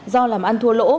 do làm ăn thua lỗ